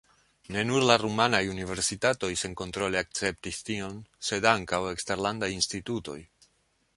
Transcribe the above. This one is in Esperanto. Ne nur la rumanaj universitatoj senkontrole akceptis tion, sed ankaŭ eksterlandaj institutoj.